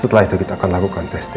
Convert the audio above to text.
setelah itu kita akan lakukan tes tla